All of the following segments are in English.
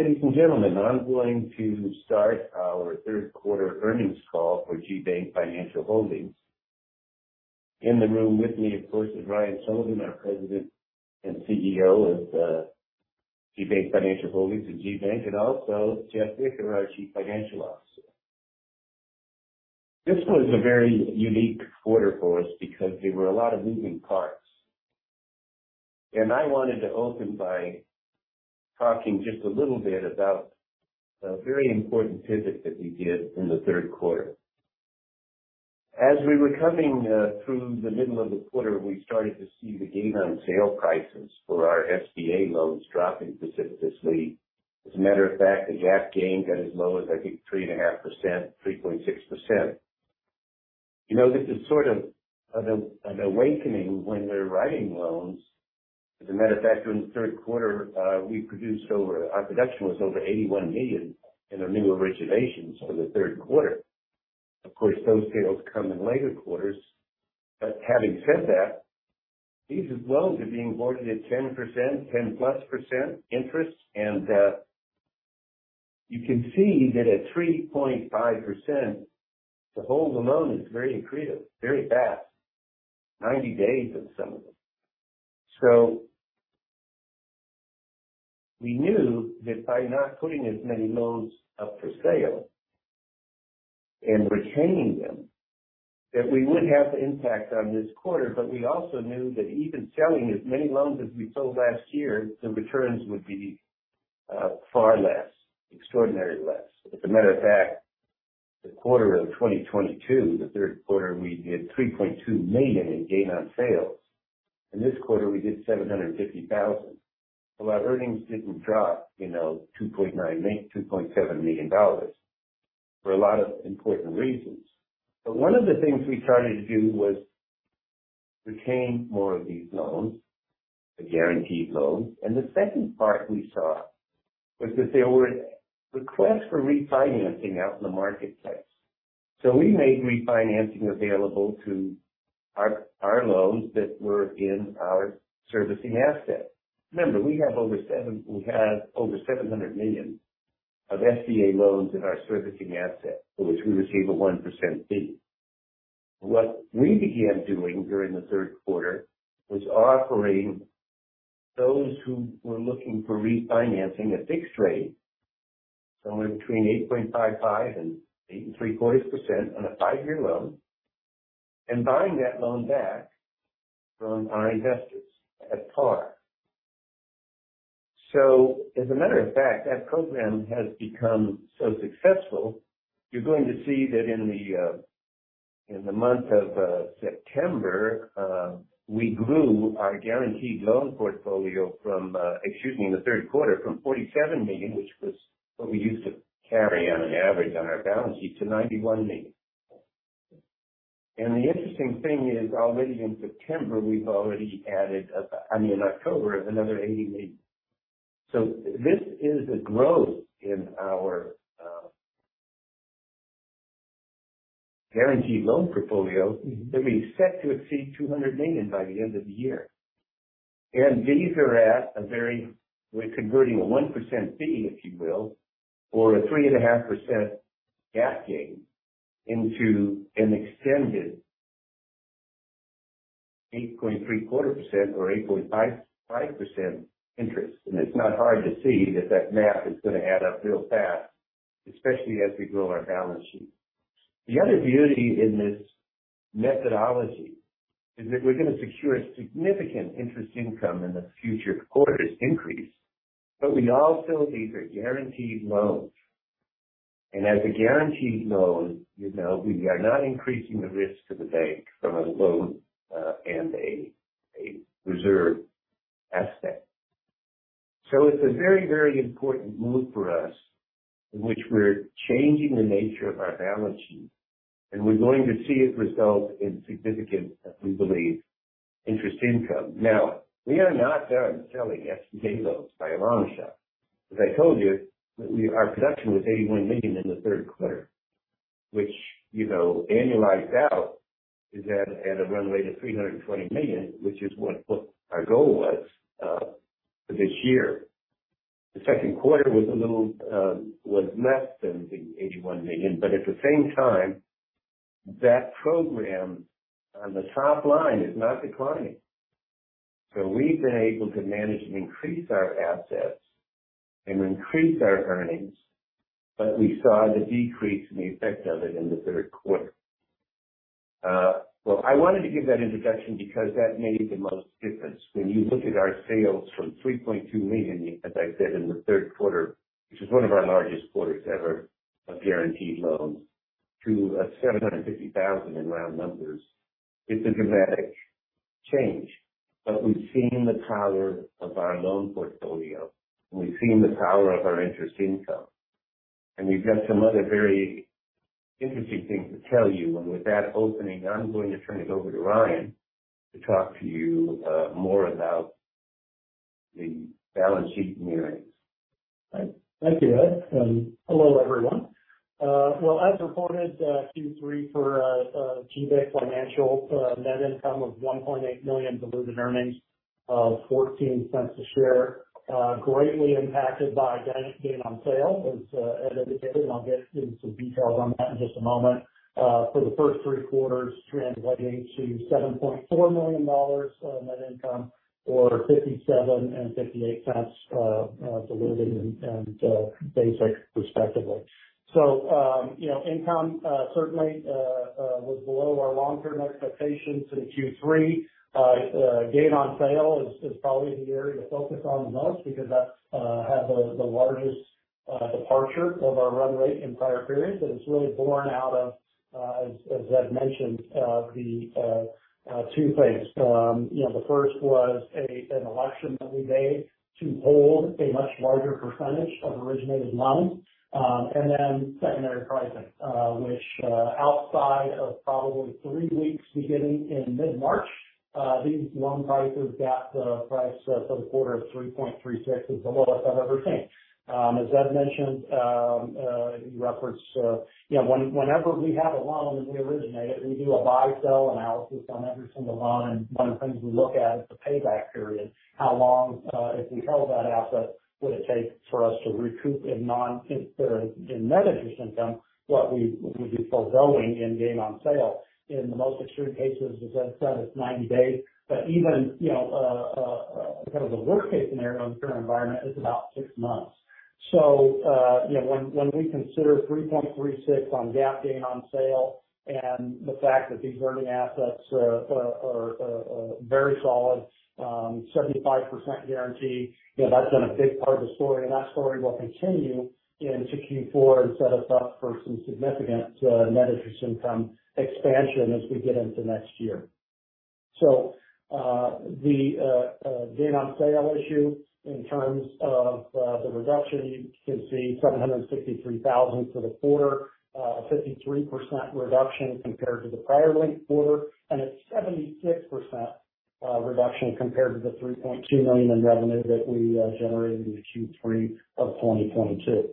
Ladies and gentlemen, I'm going to start our Q3 Earnings Call for GBank Financial Holdings. In the room with me, of course, is Ryan Sullivan, our President and CEO of GBank Financial Holdings and GBank, and also Jeff Whicker, our Chief Financial Officer. This was a very unique quarter for us because there were a lot of moving parts, and I wanted to open by talking just a little bit about a very important pivot that we did in Q3. As we were coming through the middle of the quarter, we started to see the gain on sale prices for our SBA loans dropping precipitously. As a matter of fact, the GGAP gain got as low as, I think, 3.5%, 3.6%. You know, this is sort of an awakening when we're writing loans. As a matter of fact, during Q3, we produced over—our production was over $81 million in our new originations for Q3. Of course, those sales come in later quarters. But having said that, these loans are being boarded at 10%, 10+% interest, and you can see that at 3.5%, to hold the loan is very accretive, very fast, 90 days in some of them. So we knew that by not putting as many loans up for sale and retaining them, that we would have an impact on this quarter, but we also knew that even selling as many loans as we sold last year, the returns would be far less, extraordinarily less. As a matter of fact, Q3 of 2022, we did $3.2 million in gain on sales. In this quarter, we did $750,000. Our earnings didn't drop, you know, $2.9-2.7 million for a lot of important reasons. One of the things we tried to do was retain more of these loans, the guaranteed loans. The second part we saw was that there were requests for refinancing out in the marketplace. We made refinancing available to our loans that were in our servicing asset. Remember, we have over $700 million of SBA loans in our servicing asset, for which we receive a 1% fee. What we began doing during Q3 was offering those who were looking for refinancing a fixed rate, somewhere between 8.55% and 8.75% on a five-year loan, and buying that loan back from our investors at par. So as a matter of fact, that program has become so successful, you're going to see that in the month of September, we grew our guaranteed loan portfolio from, excuse me, in Q3, from $47 million, which was what we used to carry on an average on our balance sheet, to $91 million. And the interesting thing is, already in September, we've already added, I mean, in October, another $80 million. So this is a growth in our guaranteed loan portfolio that we set to exceed $200 million by the end of the year. And these are at a very, we're converting a 1% fee, if you will, or a 3.5% gap gain into an extended 8.75% or 8.55% interest. And it's not hard to see that that math is going to add up real fast, especially as we grow our balance sheet. The other beauty in this methodology is that we're going to secure a significant interest income in the future quarters increase, but we also, these are guaranteed loans, and as a guaranteed loan, you know, we are not increasing the risk to the bank from a loan, and a reserve asset. So it's a very, very important move for us, in which we're changing the nature of our balance sheet, and we're going to see it result in significant, we believe, interest income. Now, we are not done selling SBA loans by a long shot. As I told you, our production was $81 million in Q3, which, you know, annualized out, is at a runway to $320 million, which is what our goal was for this year. The second quarter was a little less than the $81 million, but at the same time, that program on the top line is not declining. So we've been able to manage and increase our assets and increase our earnings, but we saw the decrease in the effect of it in Q3. Well, I wanted to give that introduction because that made the most difference. When you look at our sales from $3.2 million, as I said in Q3, which is one of our largest quarters ever, of guaranteed loans, to $750,000 in round numbers, it's a dramatic change. But we've seen the power of our loan portfolio, and we've got some other very interesting things to tell you. And with that opening, I'm going to turn it over to Ryan to talk to you, more about the balance sheet meetings. Thank you, Ed. Hello, everyone. Well, as reported, Q3 for GBank Financial, net income of $1.8 million, diluted earnings of $0.14 a share. Greatly impacted by gain on sale, as Ed indicated, and I'll get into some details on that in just a moment. For the first three quarters, translating to $7.4 million of net income or $0.57 and 0.58, diluted and basic respectively. You know, income certainly was below our long-term expectations in Q3. Gain on sale is probably the area to focus on the most because that's had the largest departure from our run rate in prior periods. And it's really born out of, as Ed mentioned, the two things. You know, the first was an election that we made to hold a much larger percentage of originated loans. And then secondary pricing, which, outside of probably three weeks beginning in mid-March, these loan prices gapped. The price for the quarter of $3.36 is the lowest I've ever seen. As Ed mentioned, he referenced, you know, whenever we have a loan, as we originate it, we do a buy-sell analysis on every single loan, and one of the things we look at is the payback period. How long, if we held that asset, would it take for us to recoup in net interest income what we would be foregoing in gain on sale? In the most extreme cases, as Ed said, it's 90 days, but even, you know, kind of the worst-case scenario in the current environment is about six months. So, you know, when we consider 3.36 on gap gain on sale, and the fact that these earning assets are very solid, 75% guarantee, you know, that's been a big part of the story, and that story will continue into Q4 and set us up for some significant net interest income expansion as we get into next year. The gain on sale issue in terms of the reduction, you can see $763,000 for the quarter, a 53% reduction compared to the prior linked quarter, and a 76% reduction compared to the $3.2 million in revenue that we generated in Q3 of 2022.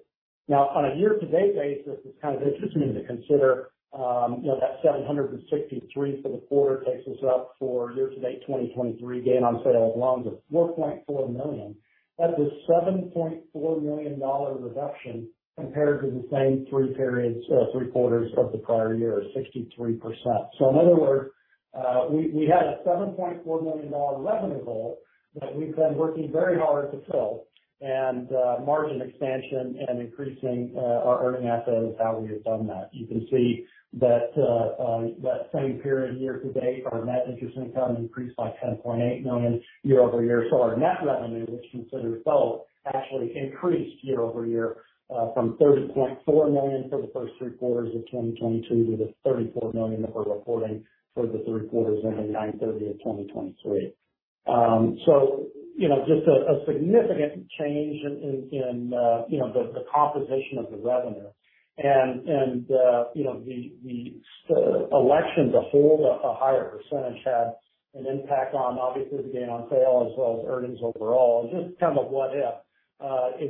Now, on a year-to-date basis, it's kind of interesting to consider, you know, that $763,000 for the quarter takes us up for year-to-date 2023 gain on sale of loans of $4.4 million. That's a $7.4 million reduction compared to the same three periods, three quarters of the prior year, 63%. So in other words, we had a $7.4 million revenue hole that we've been working very hard to fill, and margin expansion and increasing our earning assets is how we have done that. You can see that same period year to date, our net interest income increased by $10.8 million year-over-year. So our net revenue, which considers both, actually increased year-over-year from $30.4 million for the first three quarters of 2022, to the $34 million that we're reporting for the three quarters ending 9/30/2023. So you know, just a significant change in the composition of the revenue. You know, the election to hold a higher percentage had an impact on obviously the gain on sale as well as earnings overall. Just kind of a what if,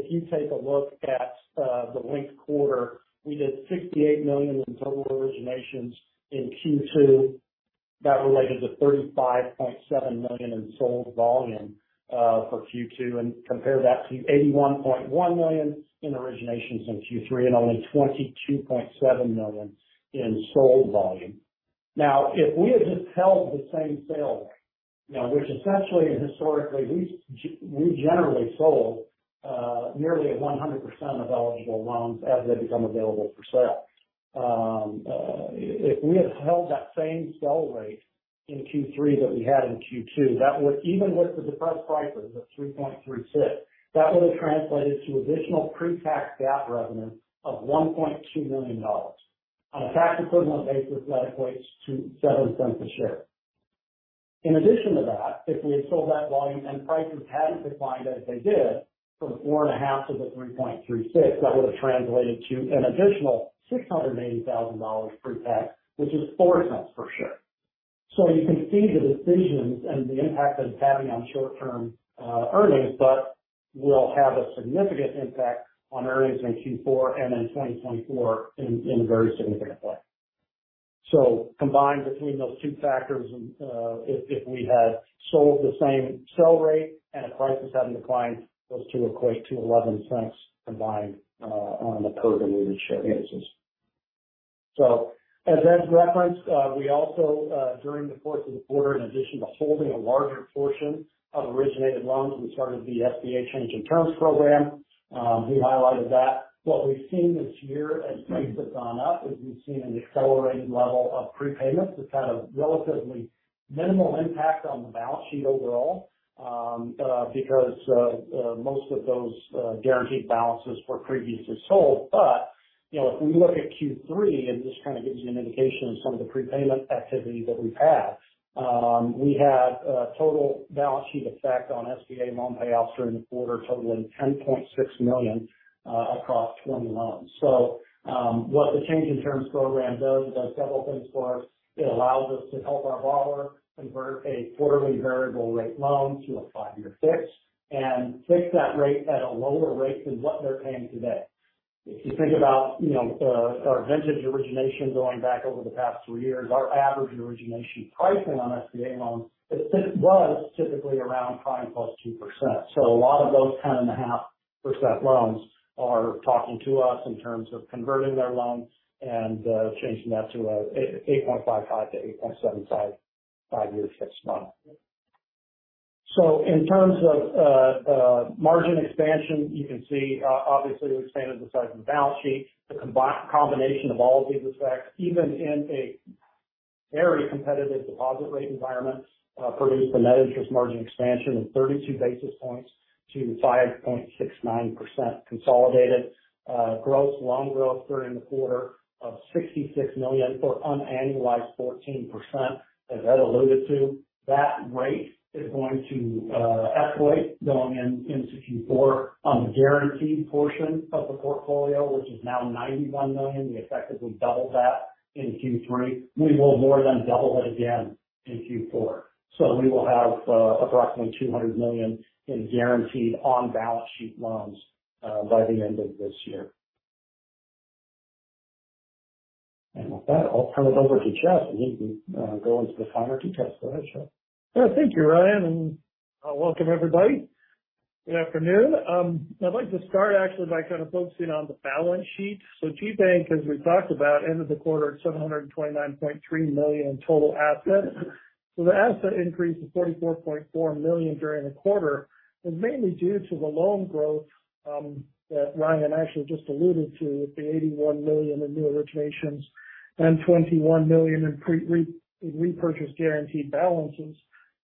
if you take a look at the linked quarter, we did $68 million in total originations in Q2. That related to $35.7 in sold volume for Q2, and compare that to 81.1 million in originations in Q3, and only $22.7 million in sold volume. Now, if we had just held the same sale rate, you know, which essentially and historically we generally sold nearly 100% of eligible loans as they become available for sale. If we had held that same sell rate in Q3 that we had in Q2, that would—even with the depressed prices of 3.36, that would have translated to additional pre-tax GAAP revenue of $1.2 million. On a tax equivalent basis, that equates to $0.07 per share. In addition to that, if we had sold that volume and prices hadn't declined as they did, from 4.5 to the 3.36, that would have translated to an additional $680,000 pre-tax, which is $0.04 per share. So you can see the decisions and the impact that it's having on short-term earnings, but will have a significant impact on earnings in Q4 and in 2024 in a very significant way. So combined between those two factors, and if we had sold the same sale rate and the prices hadn't declined, those two equate to $0.11 combined on a per diluted share basis. So as Ed referenced, we also during the course of the quarter, in addition to holding a larger portion of originated loans, we started the SBA Change in Terms program. He highlighted that. What we've seen this year as rates have gone up is we've seen an accelerated level of prepayments. It's had a relatively minimal impact on the balance sheet overall because most of those guaranteed balances for previous is sold. You know, if we look at Q3, and this kind of gives you an indication of some of the prepayment activity that we've had, we had a total balance sheet effect on SBA loan payoffs during the quarter, totaling $10.6 million across 20 loans. So, what the Change in Terms program does several things for us. It allows us to help our borrower convert a quarterly variable rate loan to a 5-year fixed, and fix that rate at a lower rate than what they're paying today. If you think about, you know, our vintage origination going back over the past three years, our average origination pricing on SBA loans was typically around prime + 2%. So a lot of those 10.5% loans are talking to us in terms of converting their loans and, changing that to a 8.55%-8.75%, five-year fixed loan. So in terms of, margin expansion, you can see, obviously we expanded the size of the balance sheet. The combination of all of these effects, even in a very competitive deposit rate environment, produced a net interest margin expansion of 32 basis points to 5.69% consolidated. Gross loan growth during the quarter of $66 million, or unannualized 14%, as Ed alluded to. That rate is going to, escalate going in, into Q4 on the guaranteed portion of the portfolio, which is now $91 million. We effectively doubled that in Q3. We will more than double it again in Q4. So we will have approximately $200 million in guaranteed on-balance sheet loans by the end of this year. With that, I'll turn it over to Jeff, and he can go into the finer details. Go ahead, Jeff. Well, thank you, Ryan, and welcome, everybody. Good afternoon. I'd like to start actually by kind of focusing on the balance sheet. So GBank, as we talked about, ended the quarter at $729.3 million in total assets. So the asset increase of $44.4 million during the quarter was mainly due to the loan growth that Ryan actually just alluded to, with the $81 million in new originations and $21 million in repurchased guaranteed balances.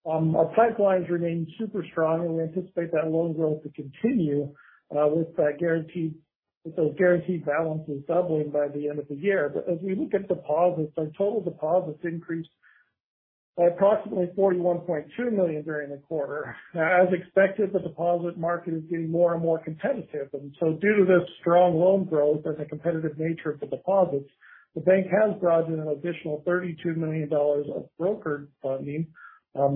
Our pipelines remain super strong, and we anticipate that loan growth to continue with those guaranteed balances doubling by the end of the year. But as we look at deposits, our total deposits increased by approximately $41.2 million during the quarter. Now, as expected, the deposit market is getting more and more competitive, and so due to the strong loan growth and the competitive nature of the deposits, the bank has brought in an additional $32 million of Brokered Funding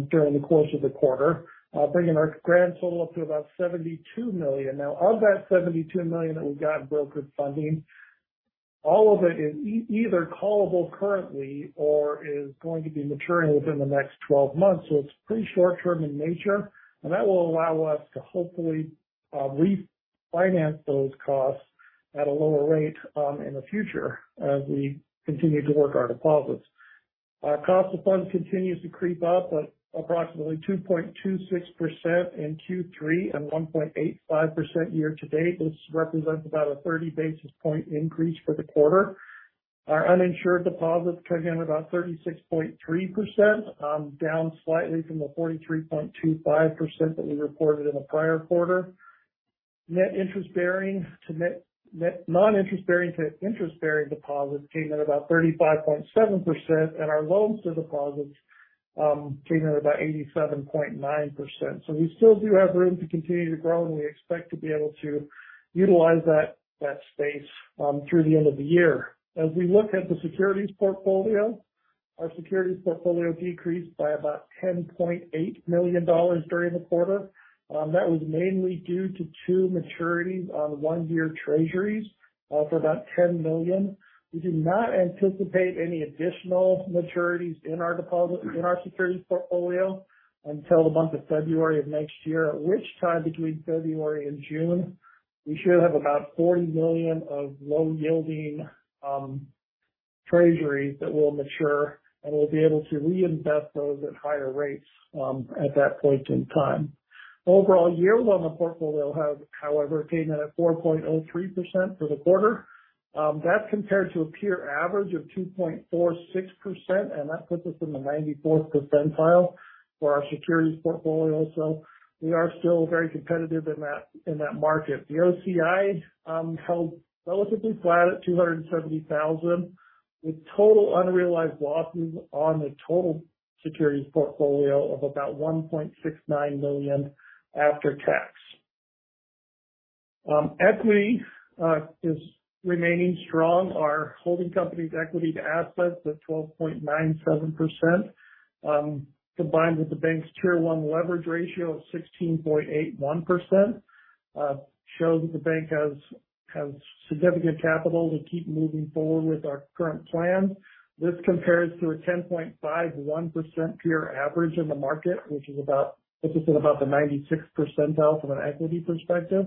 during the course of the quarter, bringing our grand total up to about $72 million. Now, of that $72 million that we got in brokered funding, all of it is either callable currently or is going to be maturing within the next 12 months. So it's pretty short-term in nature, and that will allow us to hopefully refinance those costs at a lower rate in the future as we continue to work our deposits. Our cost of funds continues to creep up at approximately 2.26% in Q3 and 1.85% year to date. This represents about a 30 basis point increase for the quarter. Our uninsured deposits came in about 36.3%, down slightly from the 43.25% that we reported in the prior quarter. Non-interest bearing to interest bearing deposits came in about 35.7%, and our loans to deposits came in at about 87.9%. So we still do have room to continue to grow, and we expect to be able to utilize that space through the end of the year. As we look at the securities portfolio, our securities portfolio decreased by about $10.8 million during the quarter. That was mainly due to two maturities on one-year Treasuries for about $10 million. We do not anticipate any additional maturities in our securities portfolio until the month of February of next year, at which time, between February and June, we should have about $40 million of low-yielding Treasuries that will mature, and we'll be able to reinvest those at higher rates at that point in time. Overall, yield on the portfolio have, however, came in at 4.03% for the quarter. That's compared to a peer average of 2.46%, and that puts us in the 94th percentile for our securities portfolio. So we are still very competitive in that, in that market. The OCI held relatively flat at $270,000, with total unrealized losses on the total securities portfolio of about $1.69 million after tax. Equity is remaining strong. Our holding company's equity to assets of 12.97%, combined with the bank's Tier 1 leverage ratio of 16.81%, shows that the bank has significant capital to keep moving forward with our current plans. This compares to a 10.51% peer average in the market, which is about, puts us in about the 96th percentile from an equity perspective.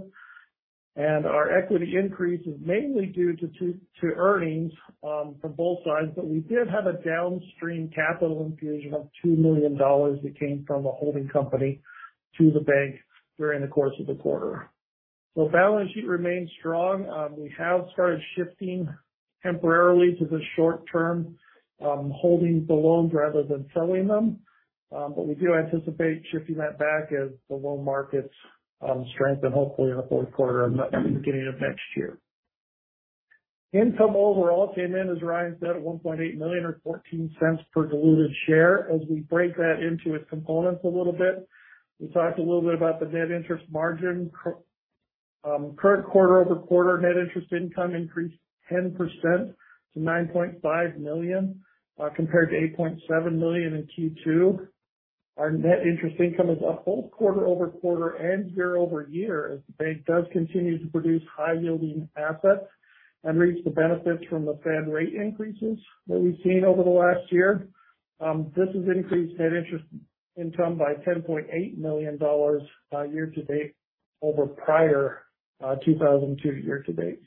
Our equity increase is mainly due to earnings from both sides, but we did have a downstream capital infusion of $2 million that came from the holding company to the bank during the course of the quarter. Balance sheet remains strong. We have started shifting temporarily to the short term, holding the loans rather than selling them. But we do anticipate shifting that back as the loan markets strengthen, hopefully in Q4 and the beginning of next year. Income overall came in, as Ryan said, at $1.8 million, or $0.14 per diluted share. As we break that into its components a little bit, we talked a little bit about the net interest margin. Current quarter-over-quarter net interest income increased 10% to $9.5 million, compared to $8.7 million in Q2. Our net interest income is up both quarter-over-quarter and year-over-year, as the bank does continue to produce high yielding assets and reaps the benefits from the Fed rate increases that we've seen over the last year. This has increased net interest income by $10.8 million year to date over prior 2022 year to date.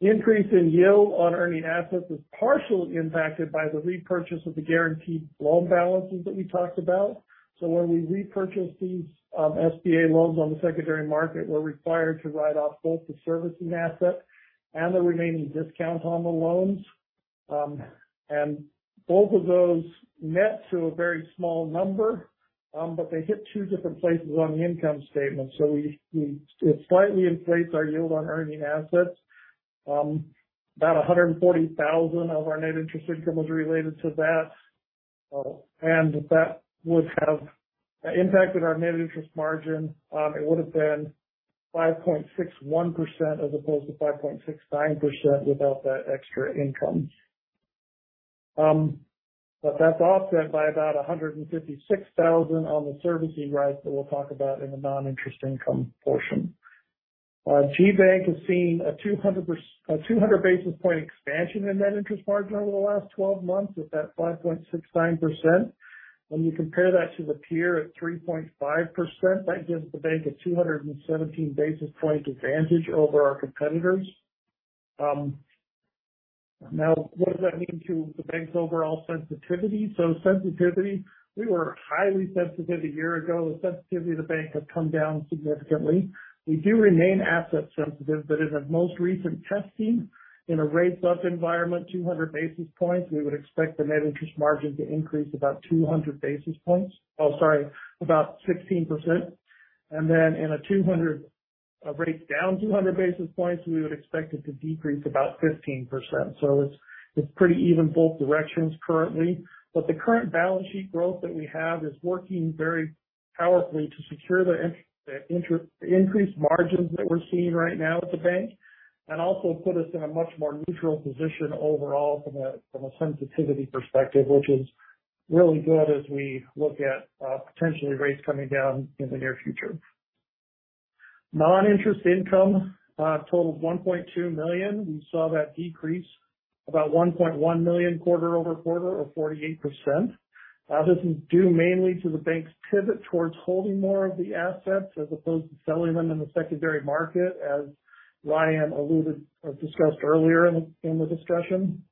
The increase in yield on earning assets is partially impacted by the repurchase of the guaranteed loan balances that we talked about. So when we repurchase these SBA loans on the secondary market, we're required to write off both the servicing asset and the remaining discount on the loans. And both of those net to a very small number, but they hit two different places on the income statement, so it slightly inflates our yield on earning assets. About $140,000 of our net interest income was related to that. And that would have impacted our net interest margin. It would have been 5.61% as opposed to 5.69% without that extra income. But that's offset by about $156,000 on the servicing rights that we'll talk about in the non-interest income portion. GBank has seen a 200 basis point expansion in net interest margin over the last 12 months at that 5.69%. When you compare that to the peer at 3.5%, that gives the bank a 217 basis point advantage over our competitors. Now, what does that mean to the bank's overall sensitivity? So sensitivity, we were highly sensitive a year ago. The sensitivity of the bank has come down significantly. We do remain asset sensitive, but in the most recent testing, in a rate up environment, 200 basis points, we would expect the net interest margin to increase about 200 basis points. Oh, sorry, about 16%. And then in a rate down 200 basis points, we would expect it to decrease about 15%. So it's pretty even both directions currently. But the current balance sheet growth that we have is working very powerfully to secure the interest increased margins that we're seeing right now at the bank, and also put us in a much more neutral position overall from a sensitivity perspective, which is really good as we look at potentially rates coming down in the near future. Non-interest income totaled $1.2 million. We saw that decrease about $1.1 million quarter-over-quarter or 48%. This is due mainly to the bank's pivot towards holding more of the assets as opposed to selling them in the secondary market, as Ryan alluded or discussed earlier in the discussion.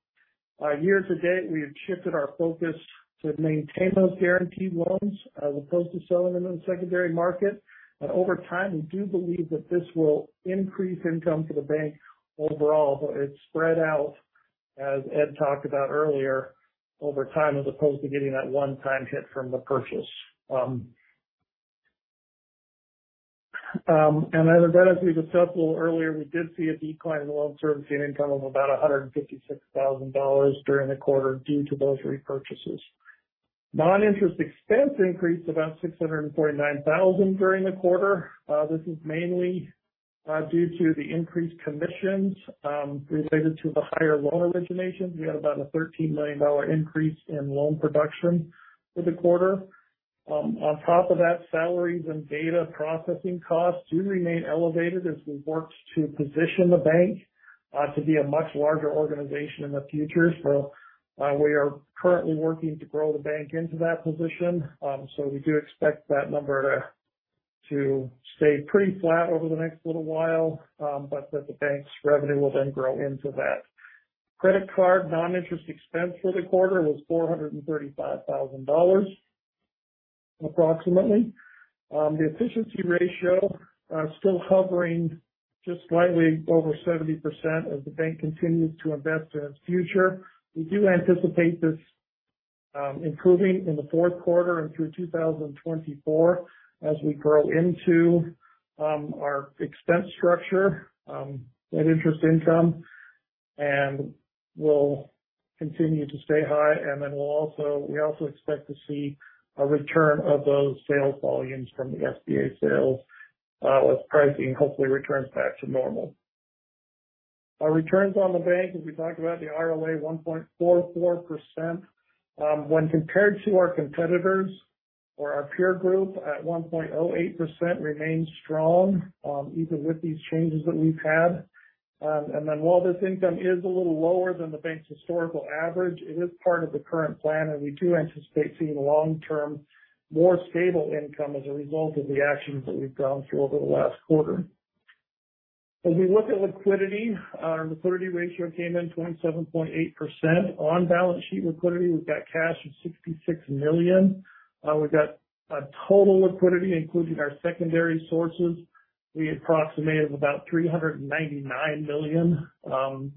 Year-to-date, we have shifted our focus to maintain those guaranteed loans as opposed to selling them in the secondary market. And over time, we do believe that this will increase income for the bank overall, but it's spread out, as Ed talked about earlier, over time, as opposed to getting that one-time hit from the purchase. And then again, as we discussed a little earlier, we did see a decline in loan servicing income of about $156,000 during the quarter, due to those repurchases. Non-interest expense increased about $649,000 during the quarter. This is mainly due to the increased commissions related to the higher loan originations. We had about a $13 million increase in loan production for the quarter. On top of that, salaries and data processing costs do remain elevated as we've worked to position the bank to be a much larger organization in the future. So, we are currently working to grow the bank into that position. So we do expect that number to stay pretty flat over the next little while, but that the bank's revenue will then grow into that. Credit card non-interest expense for the quarter was $435,000, approximately. The efficiency ratio still hovering just slightly over 70% as the bank continues to invest in its future. We do anticipate this improving in Q4 and through 2024 as we grow into our expense structure, net interest income, and will continue to stay high. We also expect to see a return of those sales volumes from the SBA sales, as pricing hopefully returns back to normal. Our returns on the bank, as we talked about the ROA, 1.44%. When compared to our competitors or our peer group at 1.08% remains strong, even with these changes that we've had. While this income is a little lower than the bank's historical average, it is part of the current plan, and we do anticipate seeing long-term, more stable income as a result of the actions that we've gone through over the last quarter. As we look at liquidity, our liquidity ratio came in 27.8%. On balance sheet liquidity, we've got cash of $66 million. We've got a total liquidity, including our secondary sources, we approximate of about $399 million,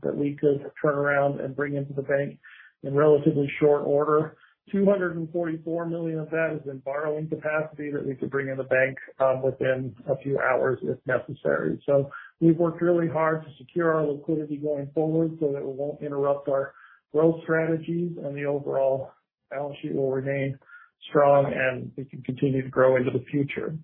that we could turn around and bring into the bank in relatively short order. $244 million of that is in borrowing capacity that we could bring in the bank, within a few hours if necessary. So we've worked really hard to secure our liquidity going forward so that it won't interrupt our growth strategies, and the overall balance sheet will remain strong and we can continue to grow into the future.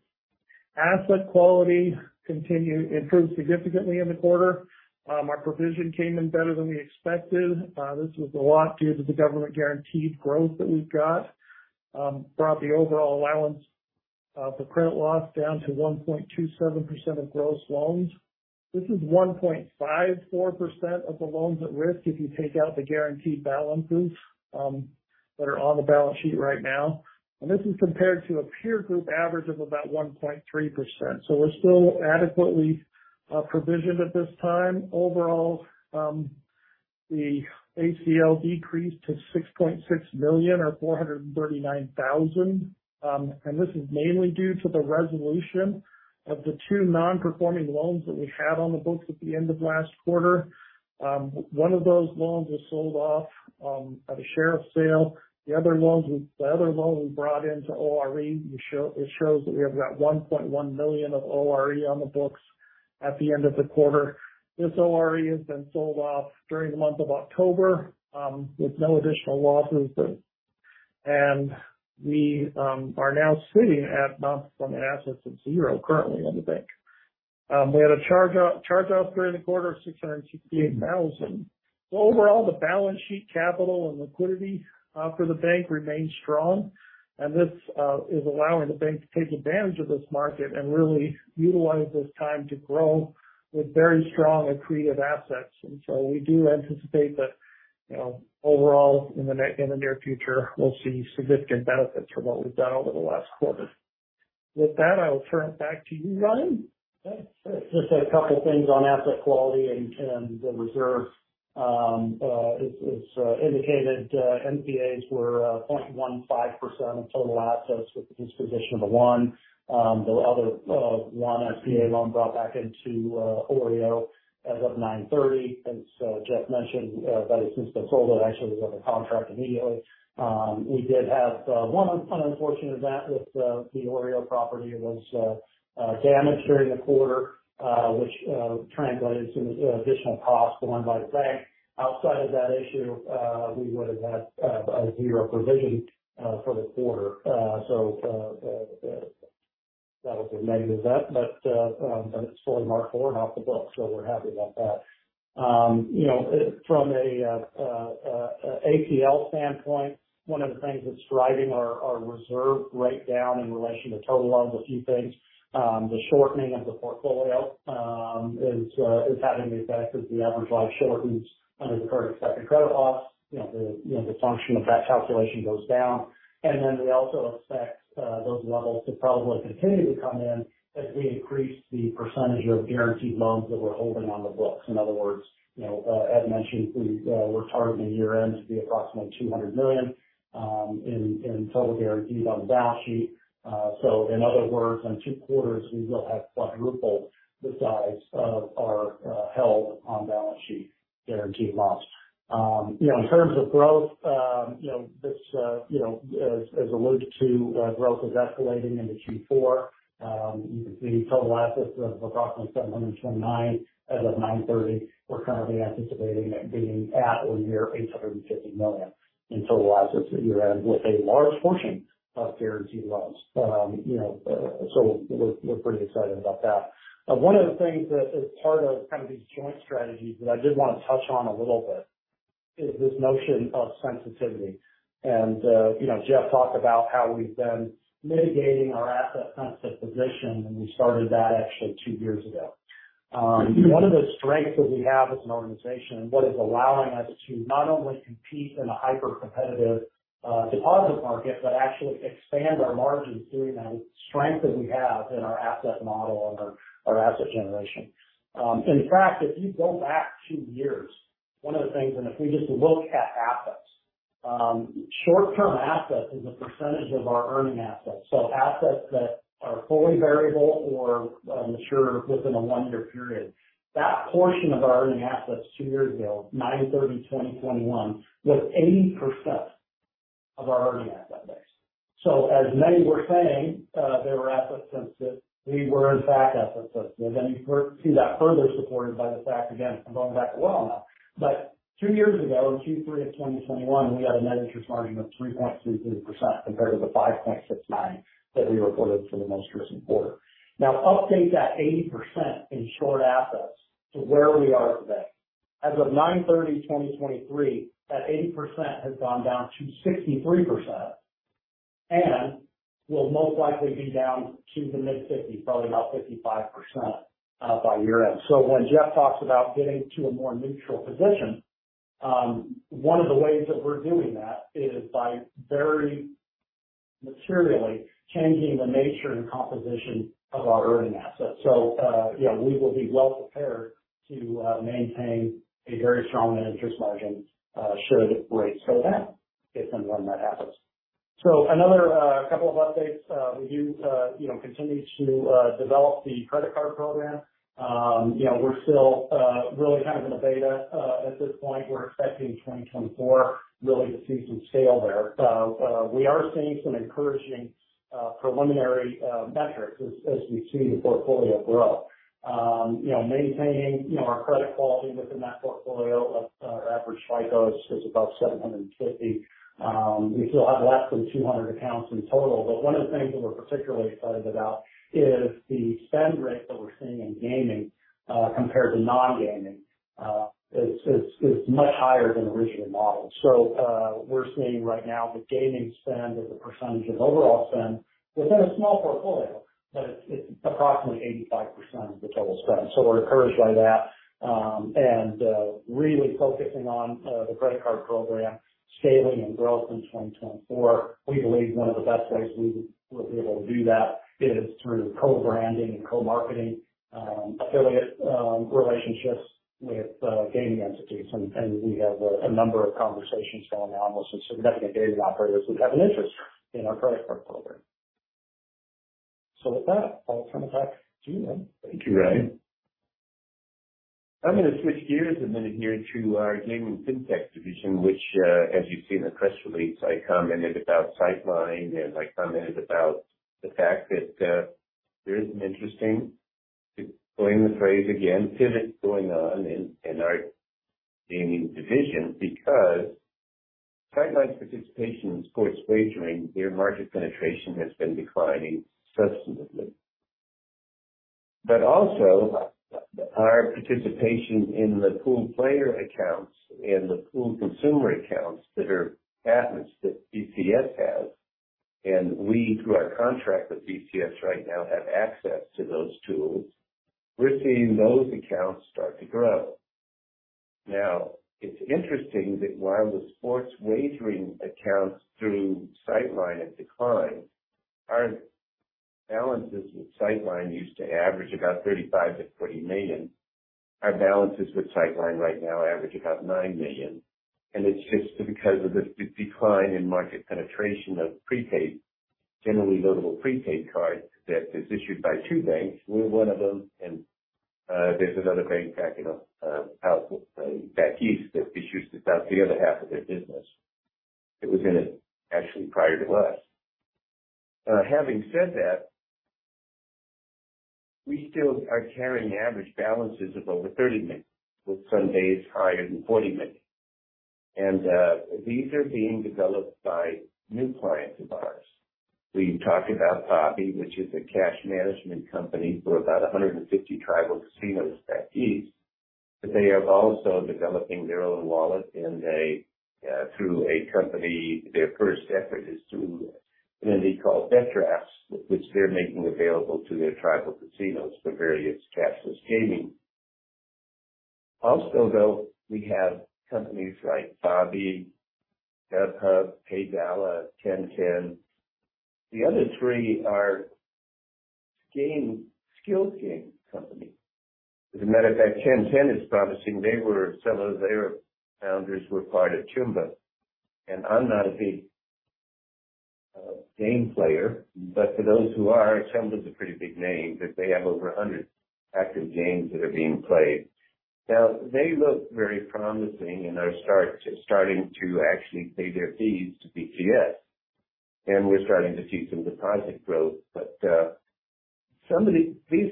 Asset quality improved significantly in the quarter. Our provision came in better than we expected. This was a lot due to the government guaranteed growth that we've got. Brought the overall allowance for credit loss down to 1.27% of gross loans. This is 1.54% of the loans at risk if you take out the guaranteed balances that are on the balance sheet right now, and this is compared to a peer group average of about 1.3%. So we're still adequately provisioned at this time. Overall, the ACL decreased to $6.6 million or $439,000. And this is mainly due to the resolution of the two non-performing loans that we had on the books at the end of last quarter. One of those loans was sold off at a sheriff sale. The other loan we brought into OREO. It shows that we have about $1.1 million of OREO on the books at the end of the quarter. This OREO has been sold off during the month of October with no additional losses. We are now sitting at amounts from an asset of zero currently on the bank. We had a charge-off during the quarter of $668,000. Overall, the balance sheet capital and liquidity for the bank remains strong, and this is allowing the bank to take advantage of this market and really utilize this time to grow with very strong accretive assets. So we do anticipate that, you know, overall, in the near future, we'll see significant benefits from what we've done over the last quarter. With that, I will turn it back to you, Ryan. Okay. Just a couple things on asset quality and the reserve. As indicated, NPAs were 0.15% of total assets with the disposition of the one. The other one NPA loan brought back into OREO as of 9/30, as Jeff mentioned, but it's since been sold and actually was under contract immediately. We did have one unfortunate event with the OREO property. It was damaged during the quarter, which translated to some additional costs borne by the bank. Outside of that issue, we would've had a zero provision for the quarter. So that was the negative of that, but it's fully marked forward and off the books, so we're happy about that. You know, from a ACL standpoint, one of the things that's driving our reserve rate down in relation to total loans, a few things. The shortening of the portfolio is having the effect as the average life shortens under the current expected credit loss. You know, the function of that calculation goes down. And then we also expect those levels to probably continue to come in as we increase the percentage of guaranteed loans that we're holding on the books. In other words, you know, as mentioned, we're targeting year-end to be approximately $200 million in total guarantees on the balance sheet. So in other words, in two quarters, we will have quadrupled the size of our held on balance sheet guaranteed loans. You know, in terms of growth, you know, this, as alluded to, growth is escalating into Q4. You can see total assets of approximately $729 million as of 9/30. We're currently anticipating it being at or near $850 million in total assets at year-end, with a large portion of guaranteed loans. You know, so we're pretty excited about that. One of the things that is part of kind of these joint strategies that I did want to touch on a little bit is this notion of sensitivity. And, you know, Jeff talked about how we've been mitigating our asset sensitive position, and we started that actually two years ago. One of the strengths that we have as an organization and what is allowing us to not only compete in a hyper-competitive, deposit market, but actually expand our margins doing that, is strength that we have in our asset model and our, our asset generation. In fact, if you go back two years, one of the things, and if we just look at assets, short-term assets is a percentage of our earning assets, so assets that are fully variable or, mature within a one-year period. That portion of our earning assets two years ago, 9/30/2021, was 80% of our earning asset base. So as many were saying, they were asset sensitive, we were in fact asset sensitive. You further see that further supported by the fact, again, I'm going back a while now, but two years ago, in Q3 of 2021, we had a net interest margin of 3.23% compared to the 5.69% that we reported for the most recent quarter. Now update that 80% in short assets to where we are today. As of 9/30/2023, that 80% has gone down to 63% and will most likely be down to the mid-50s%, probably about 55%, by year-end. So when Jeff talks about getting to a more neutral position, one of the ways that we're doing that is by very materially changing the nature and composition of our earning assets. So, you know, we will be well prepared to maintain a very strong net interest margin should rates go down, if and when that happens. So another couple of updates, we do, you know, continue to develop the credit card program. You know, we're still really kind of in a beta at this point. We're expecting 2024 really to see some scale there. So, we are seeing some encouraging preliminary metrics as we see the portfolio grow. You know, maintaining our credit quality within that portfolio of our average FICO is above 750. We still have less than 200 accounts in total, but one of the things that we're particularly excited about is the spend rate that we're seeing in gaming compared to non-gaming. It's much higher than the original model. So, we're seeing right now the gaming spend as a percentage of overall spend within a small portfolio, but it's approximately 85% of the total spend. So we're encouraged by that, and really focusing on the credit card program scaling and growth in 2024. We believe one of the best ways we would be able to do that is through co-branding and co-marketing, affiliate relationships with gaming entities. And we have a number of conversations going on with some significant gaming operators who have an interest in our credit card program. So with that, I'll turn it back to you, Edward. Thank you, Ryan. I'm gonna switch gears a minute here to our gaming fintech division, which, as you've seen in the press release, I commented about Sightline, and I commented about the fact that there is an interesting, to coin the phrase again, pivot going on in our gaming division. Because Sightline's participation in sports wagering, their market penetration has been declining substantively. But also our participation in the pooled player accounts and the pooled consumer accounts that are patents that BCS has, and we, through our contract with BCS right now, have access to those tools. We're seeing those accounts start to grow. Now, it's interesting that while the sports wagering accounts through Sightline have declined, our balances with Sightline used to average about $35-40 million. Our balances with Sightline right now average about $9 million, and it's just because of the decline in market penetration of prepaid, generally loadable prepaid cards, that is issued by two banks. We're one of them, and there's another bank back east that issues about the other half of their business. It was in it actually prior to us. Having said that, we still are carrying average balances of over $30 million, with some days higher than $40 million. And, these are being developed by new clients of ours. We talked about Bobby, which is a cash management company for about 150 tribal casinos back east, but they are also developing their own wallet through a company. Their first effort is through an entity called BetApps, which they're making available to their tribal casinos for various cashless gaming. Also, though, we have companies like Bobby, BetHub, PayVala, Ten Ten. The other three are game skills game company. As a matter of fact, 10Ten is promising. They were some of their founders were part of Chumba, and I'm not a big game player, but for those who are, Chumba is a pretty big name, that they have over 100 active games that are being played. Now, they look very promising and are starting to actually pay their fees to BCS, and we're starting to see some deposit growth. But some of these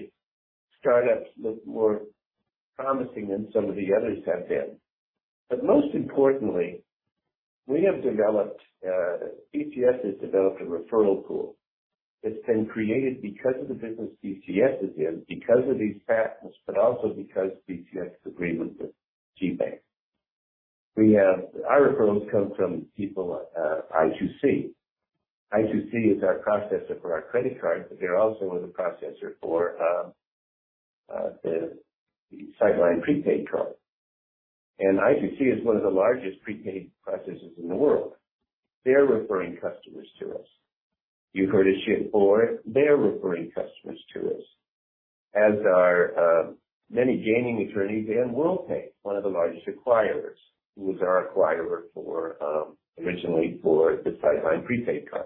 startups look more promising than some of the others have been. Most importantly, we have developed, BCS has developed a referral pool that's been created because of the business BCS is in, because of these patents, but also because BCS's agreement with GBank. Our referrals come from people at i2c. i2c is our processor for our credit cards, but they're also the processor for the Sightline prepaid card. i2c is one of the largest prepaid processors in the world. They're referring customers to us. Eucharist Shipboard, they're referring customers to us, as are many gaming attorneys and Worldpay, one of the largest acquirers, who was our acquirer originally for the Sightline prepaid card.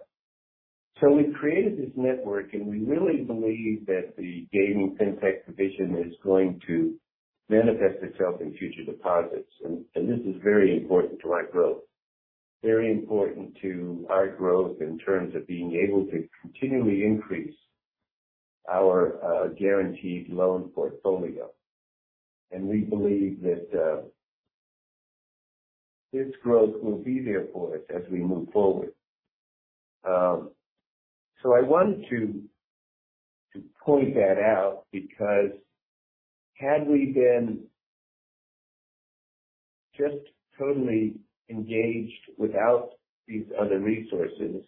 We've created this network, and we really believe that the gaming fintech division is going to manifest itself in future deposits. And, and this is very important to our growth, very important to our growth in terms of being able to continually increase our guaranteed loan portfolio. And we believe that this growth will be there for us as we move forward. So I wanted to point that out, because had we been just totally engaged without these other resources,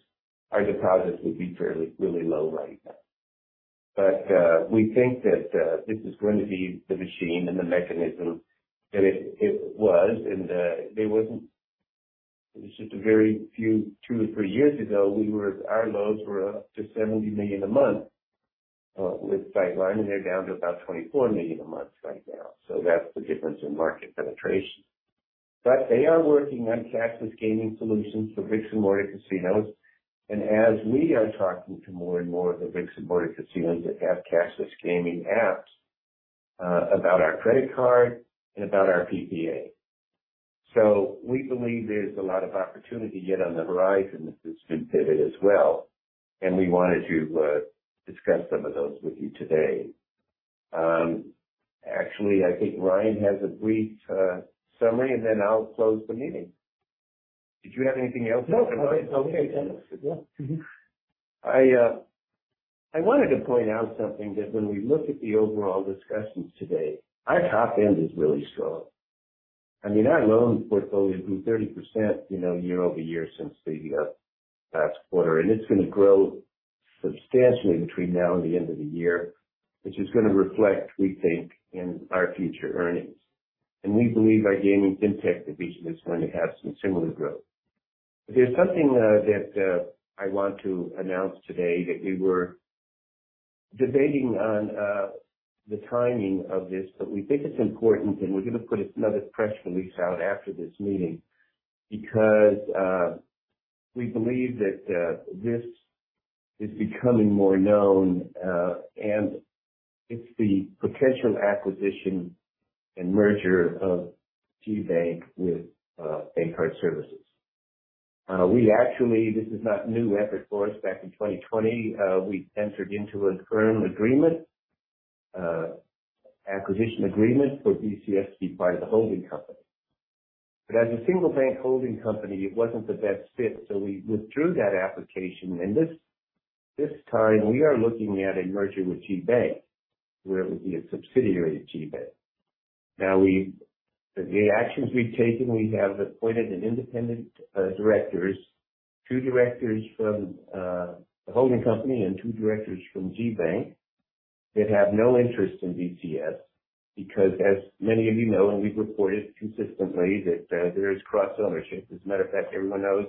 our deposits would be fairly, really low right now. But we think that this is going to be the machine and the mechanism that it was. It's just a very few, two or three years ago, we were—our loans were up to $70 million a month with Sightline, and they're down to about $24 million a month right now. So that's the difference in market penetration. But they are working on cashless gaming solutions for bricks-and-mortar casinos, and as we are talking to more and more of the bricks-and-mortar casinos that have cashless gaming apps, about our credit card and about our PPA. So we believe there's a lot of opportunity yet on the horizon with this pivot as well, and we wanted to discuss some of those with you today. Actually, I think Ryan has a brief summary, and then I'll close the meeting. Did you have anything else? No, it's okay, Edward. Yeah. Mm-hmm. I, I wanted to point out something that when we look at the overall discussions today, our top end is really strong. I mean, our loan portfolio grew 30%, you know, year-over-year since the last quarter, and it's going to grow substantially between now and the end of the year, which is going to reflect, we think, in our future earnings. We believe our gaming fintech division is going to have some similar growth. There's something that I want to announce today, that we were debating on the timing of this, but we think it's important, and we're going to put another press release out after this meeting, because we believe that this is becoming more known, and it's the potential acquisition and merger of GBank with Bankcard Services. We actually. This is not new effort for us. Back in 2020, we entered into a firm agreement, acquisition agreement for BCS to be part of the holding company. But as a single bank holding company, it wasn't the best fit, so we withdrew that application. And this, this time we are looking at a merger with GBank, where it would be a subsidiary of GBank. Now, we've, the actions we've taken, we have appointed an independent, directors, two directors from, the holding company and two directors from GBank that have no interest in BCS, because as many of you know, and we've reported consistently, that, there is cross-ownership. As a matter of fact, everyone knows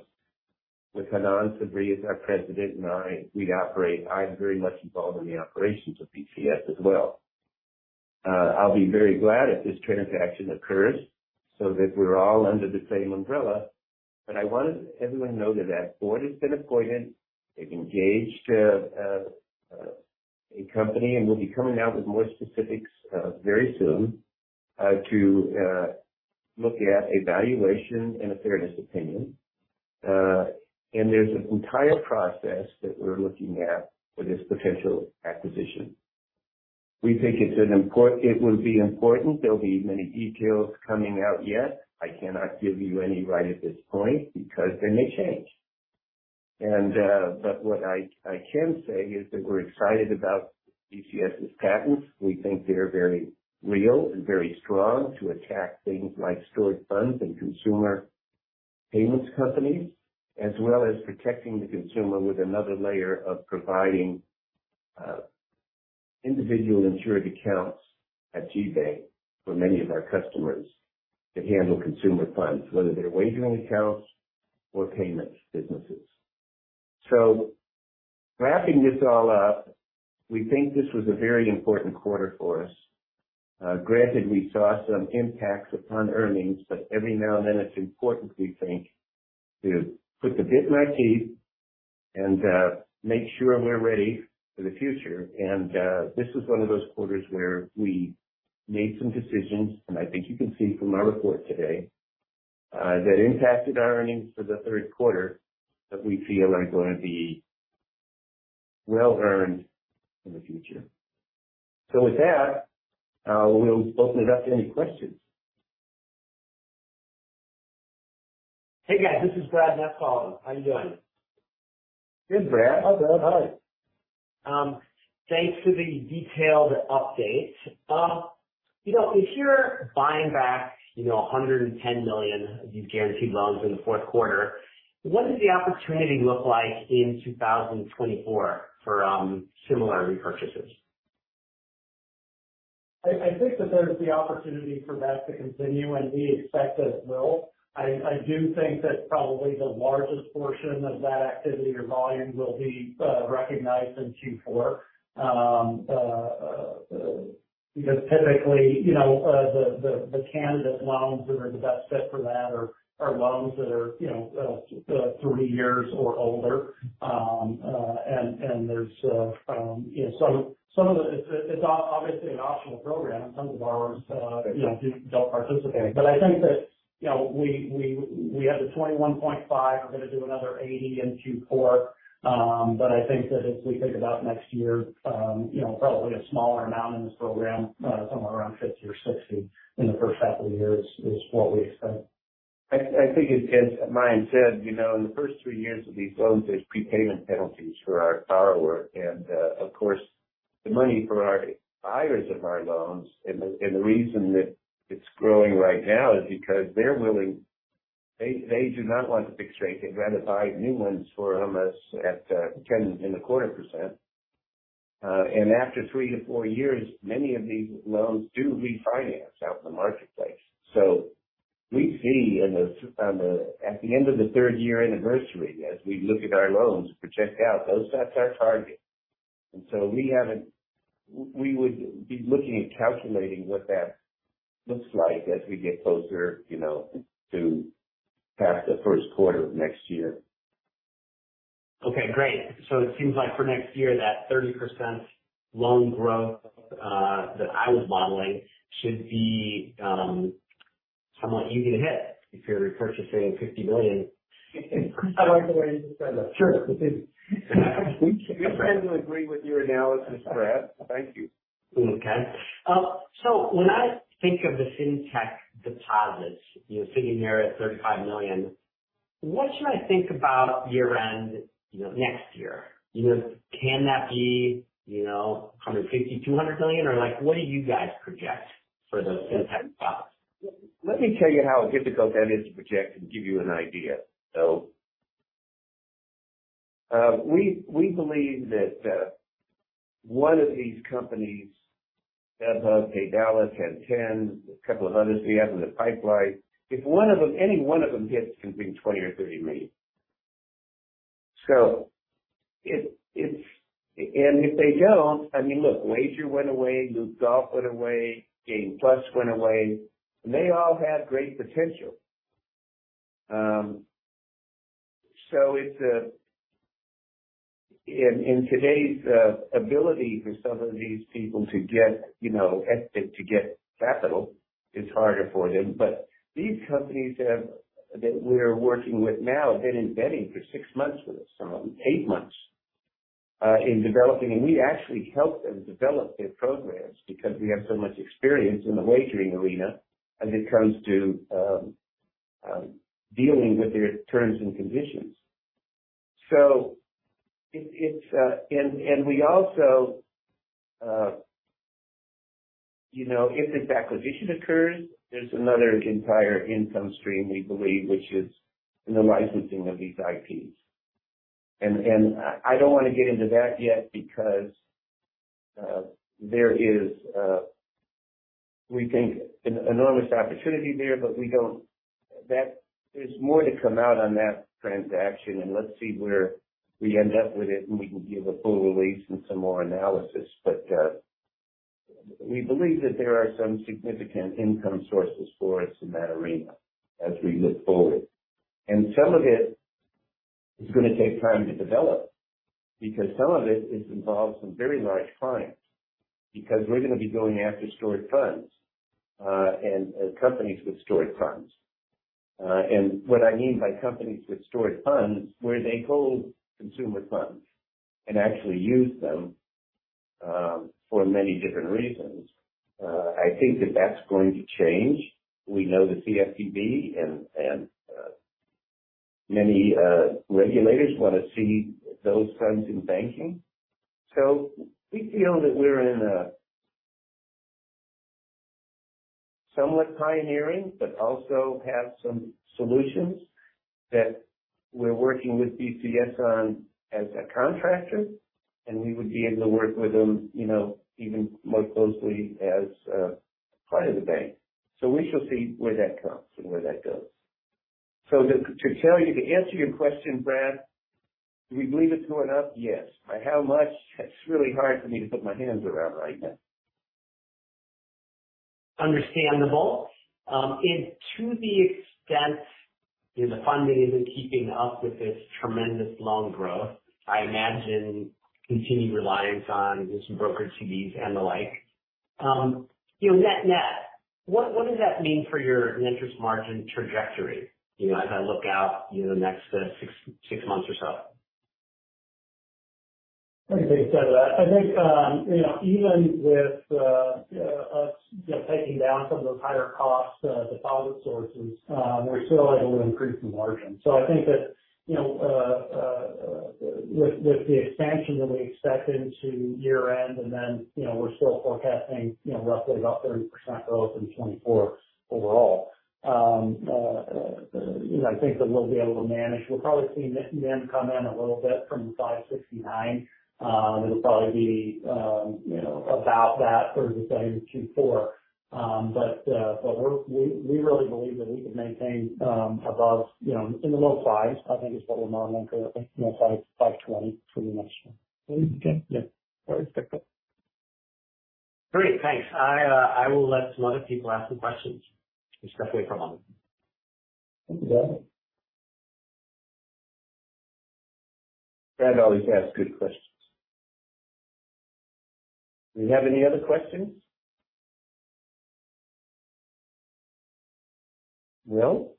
with Hanan Sabry as our president and I, we operate. I'm very much involved in the operations of BCS as well. I'll be very glad if this transaction occurs so that we're all under the same umbrella. But I wanted everyone to know that that board has been appointed. They've engaged a company, and we'll be coming out with more specifics very soon to look at a valuation and a fairness opinion. And there's an entire process that we're looking at for this potential acquisition. We think it will be important. There'll be many details coming out yet. I cannot give you any right at this point because they may change. But what I can say is that we're excited about BCS's patents. We think they're very real and very strong to attract things like stored funds and consumer payments companies, as well as protecting the consumer with another layer of providing individual insured accounts at GBank for many of our customers to handle consumer funds, whether they're wagering accounts or payments businesses. So wrapping this all up, we think this was a very important quarter for us. Granted, we saw some impacts upon earnings, but every now and then, it's important, we think, to put the bit in our teeth and make sure we're ready for the future. And this is one of those quarters where we made some decisions, and I think you can see from our report today that impacted our earnings for Q3, that we feel are going to be well-earned in the future. So with that, we'll open it up to any questions. Hey, guys, this is Brad McCallum. How you doing? Good, Brad. Hi, Brad. Hi. Thanks for the detailed update. You know, if you're buying back, you know, $110 million of these guaranteed loans in Q4, what does the opportunity look like in 2024 for similar repurchases? I think that there's the opportunity for that to continue, and we expect it will. I do think that probably the largest portion of that activity or volume will be recognized in Q4. Because typically, you know, the candidate loans that are the best fit for that are loans that are, you know, three years or older. And there's, you know, some of the—it's obviously an optional program, and some borrowers, you know, don't participate. But I think that, you know, we had the $21.5 million, we're going to do another $80 million in Q4. But I think that as we think about next year, you know, probably a smaller amount in this program, somewhere around 50 or 60 in the first half of the year is what we expect. I think as Ryan said, you know, in the first three years of these loans, there's prepayment penalties for our borrower. And, of course, the money for our buyers of our loans and the, and the reason that it's growing right now is because they're willing. They do not want the fixed rate. They'd rather buy new ones from us at 10.25%. And after three to four years, many of these loans do refinance out in the marketplace. We see in the, on the, at the end of the third year anniversary, as we look at our loans to check out, those, that's our target. And so we would be looking at calculating what that looks like as we get closer, you know, to past the first quarter of next year. Okay, great. So it seems like for next year, that 30% loan growth that I was modeling should be somewhat easy to hit if you're repurchasing $50 million. I like the way you just said that. Sure. We happen to agree with your analysis, Brad. Thank you. Okay. So when I think of the fintech deposits, you know, sitting there at $35 million, what should I think about year-end, you know, next year? You know, can that be, you know, $150 million,200 million, or, like, what do you guys project for the fintech deposits? Let me tell you how difficult that is to project and give you an idea. So, we, we believe that, one of these companies, BetHub, PayValla, Ten Ten, a couple of others we have in the pipeline, if one of them, any one of them hits, can bring $20 or 30 million. So it, it's... And if they don't, I mean, look, Wagerr went away, Loop Golf went away, Game Plus went away, and they all had great potential. So it's... In, in today's, ability for some of these people to get, you know, to get capital, it's harder for them. But these companies have, that we're working with now, have been in betting for six months with us, some of them eight months, in developing. We actually help them develop their programs because we have so much experience in the wagering arena as it comes to dealing with their terms and conditions. It's, uh... We also, you know, if this acquisition occurs, there's another entire income stream we believe, which is in the licensing of these IPs. I don't want to get into that yet because we think an enormous opportunity is there, but we don't-- there's more to come out on that transaction, and let's see where we end up with it, and we can give a full release and some more analysis. We believe that there are some significant income sources for us in that arena as we look forward. And some of it is gonna take time to develop because some of it is involved some very large clients, because we're gonna be going after stored funds, and companies with stored funds. And what I mean by companies with stored funds, where they hold consumer funds and actually use them, for many different reasons. I think that that's going to change. We know the CFPB and many regulators want to see those funds in banking. So we feel that we're in a somewhat pioneering, but also have some solutions that we're working with BCS on as a contractor, and we would be able to work with them, you know, even more closely as part of the bank. So we shall see where that comes and where that goes. So, to tell you, to answer your question, Brad, do we believe it's going up? Yes. By how much? It's really hard for me to put my hands around right now. Understandable. And to the extent, you know, the funding isn't keeping up with this tremendous loan growth, I imagine continued reliance on just brokered CDs and the like. You know, net-net, what does that mean for your net interest margin trajectory, you know, as I look out, you know, the next six months or so? Let me take a stab at that. I think, you know, even with us, you know, taking down some of those higher cost deposit sources, we're still able to increase the margin. So I think that, you know, with the expansion that we expect into year-end, and then, you know, we're still forecasting, you know, roughly about 30% growth in 2024 overall. You know, I think that we'll be able to manage. We'll probably see net demand come in a little bit from 569. It'll probably be, you know, about that for the same Q4. But we really believe that we can maintain, above, you know, in the low fives. I think it's what we're modeling for, you know, 5.520 pretty much. Okay. Yeah, I expect that. Great, thanks. I, I will let some other people ask some questions, especially from on. Thank you, Brad. Brad always asks good questions. Do you have any other questions? No?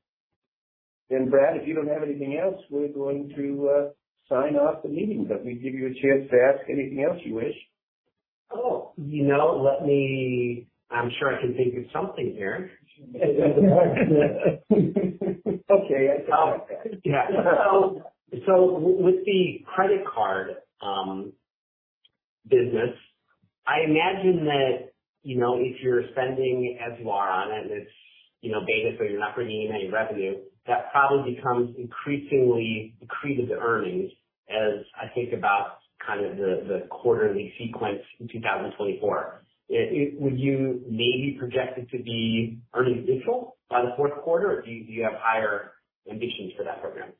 Then, Brad, if you don't have anything else, we're going to sign off the meeting, but let me give you a chance to ask anything else you wish. Oh, you know, let me... I'm sure I can think of something here. Okay, I saw it then. Yeah. So with the credit card business, I imagine that, you know, if you're spending as you are on it, and it's, you know, beta, so you're not bringing in any revenue, that probably becomes increasingly accretive to earnings, as I think about kind of the quarterly sequence in 2024. Would you maybe project it to be earnings neutral by Q4, or do you have higher ambitions for that program?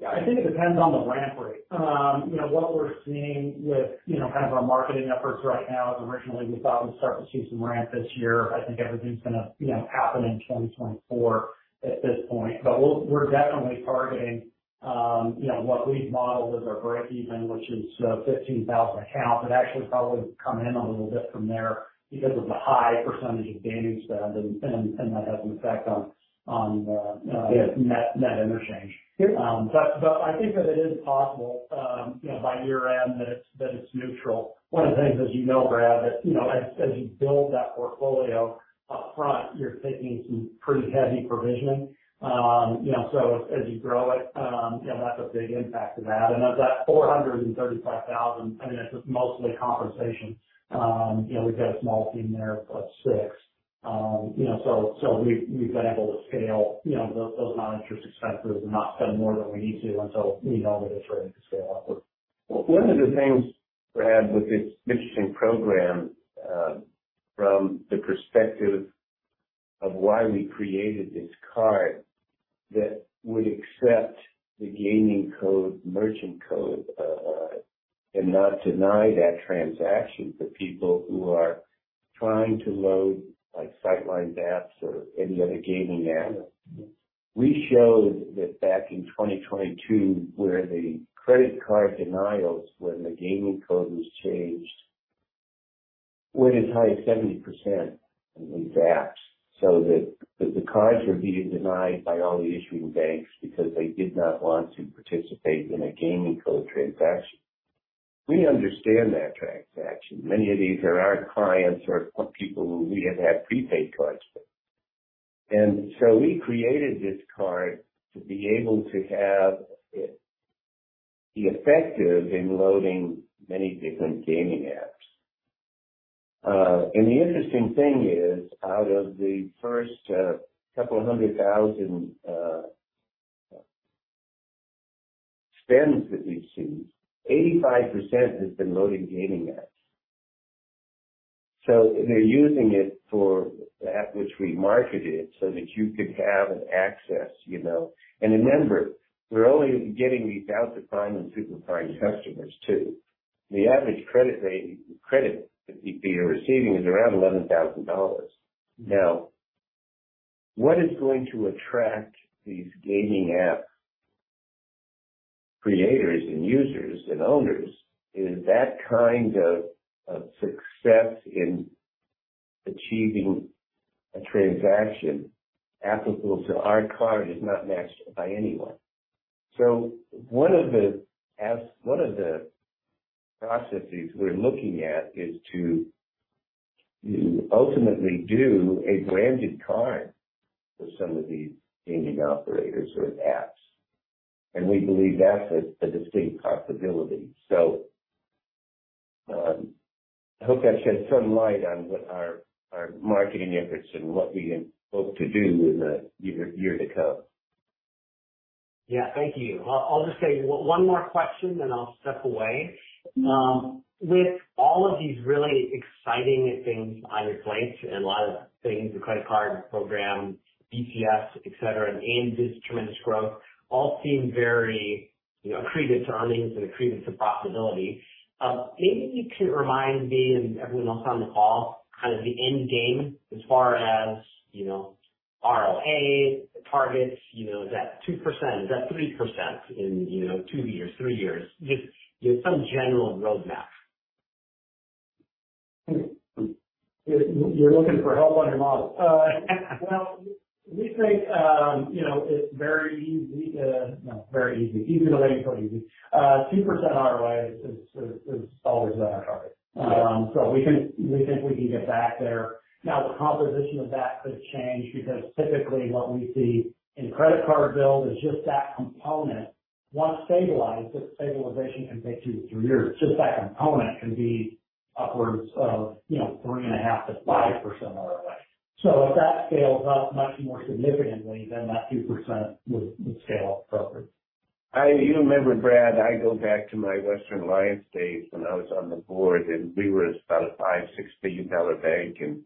Yeah, I think it depends on the ramp rate. You know, what we're seeing with, you know, kind of our marketing efforts right now is originally we thought we'd start to see some ramp this year. I think everything's gonna, you know, happen in 2024 at this point. But we'll-- we're definitely targeting, you know, what we've modeled as our breakeven, which is, fifteen thousand accounts. It actually probably come in a little bit from there because of the high percentage of gaming spend, and, and that has an effect on, on the, net, net interchange. But, but I think that it is possible, you know, by year-end that it's, that it's neutral. One of the things, as you know, Brad, that, you know, as, as you build that portfolio upfront, you're taking some pretty heavy provisioning. You know, so as you grow it, you know, that's a big impact to that. And of that $435,000, I mean, it's just mostly compensation. You know, we've got a small team there of about six. You know, so we've been able to scale, you know, those non-interest expenses and not spend more than we need to until we know that it's ready to scale upward. Well, one of the things, Brad, with this interesting program, from the perspective of why we created this card that would accept the gaming code, merchant code, and not deny that transaction for people who are trying to load, like, Sightline apps or any other gaming app. We showed that back in 2022, where the credit card denials when the gaming code was changed, went as high as 70% in these apps. So that the cards were being denied by all the issuing banks because they did not want to participate in a gaming code transaction. We understand that transaction. Many of these are our clients or people who we have had prepaid cards with. And so we created this card to be able to have it be effective in loading many different gaming apps. The interesting thing is, out of the first couple of hundred thousand spends that we've seen, 85% has been loading gaming apps. They're using it for the app which we marketed, so that you could have an access, you know. Remember, we're only getting these out to prime and super prime customers, too. The average credit rate—credit that we are receiving is around $11,000. Now, what is going to attract these gaming app creators and users and owners is that kind of success in achieving a transaction applicable to our card is not matched by anyone. One of the apps—one of the processes we're looking at is to ultimately do a branded card for some of these gaming operators or apps. We believe that's a distinct possibility. I hope that sheds some light on what our marketing efforts and what we hope to do in the year to come. Yeah. Thank you. I'll just say one more question, then I'll step away. With all of these really exciting things on your plate and a lot of things, the credit card program, BaaS, et cetera, and Avenu tremendous growth all seem very, you know, accretive to earnings and accretive to profitability. Maybe you could remind me and everyone else on the call, kind of the end game as far as, you know, ROA targets. You know, is that 2%? Is that 3% in, you know, two years, three years? Just, you know, some general roadmap. You're looking for help on your model? Well, we think, you know, it's very easy to... Not very easy, easy to very easy. Two percent ROA is, is, is always been our target. So we think, we think we can get back there. Now, the composition of that could change because typically what we see in credit card build is just that component. Once stabilized, the stabilization can take two to three years, just that component can be upwards of, you know, 3.5%-5% ROA. So if that scales up much more significantly, then that 2% would, would scale up appropriately. You remember, Brad, I go back to my Western Alliance days when I was on the board, and we were about a $5-6 billion bank, and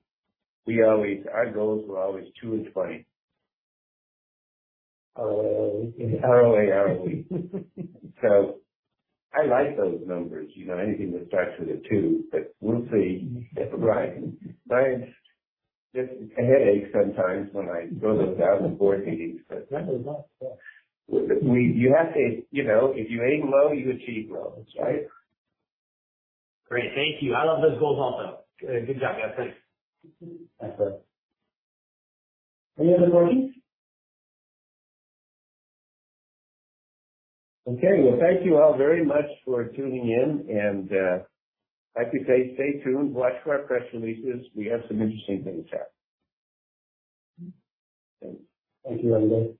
we always our goals were always 2 and 20. ROA. ROE. So I like those numbers. You know, anything that starts with a two, but we'll see. Right. Right. Just a headache sometimes when I go to those board meetings, but remember that, you have to, you know, if you aim low, you achieve low, that's right. Great. Thank you. I love those goals also. Good job, guys. Thanks. Thanks, Brad. Any other questions? Okay, well, thank you all very much for tuning in, and, like we say, stay tuned. Watch for our press releases. We have some interesting things happening. Thanks. Thank you, everybody.